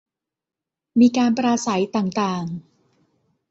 มีการปราศรัยต่างต่าง